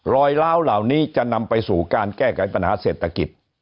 ล้าวเหล่านี้จะนำไปสู่การแก้ไขปัญหาเศรษฐกิจ